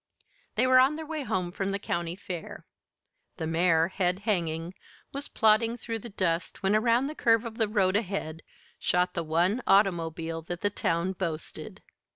They were on their way home from the county fair. The mare, head hanging, was plodding through the dust when around the curve of the road ahead shot the one automobile that the town boasted.